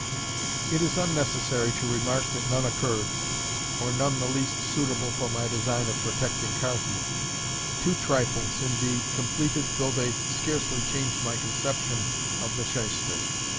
It is unnecessary to remark that none occurred, or none the least suitable with my design of protecting Carthew. Two trifles, indeed, completed though they scarcely changed my conception of the Shyster.